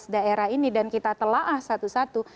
sebelas daerah ini dan kita telah satu satu